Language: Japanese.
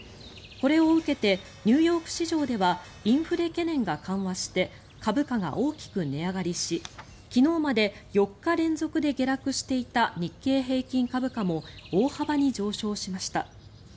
これを受けてニューヨーク市場ではインフレ懸念が緩和して株価が大きく値上がりし昨日まで４日連続で下落していた日経平均株価も大幅に上昇しました。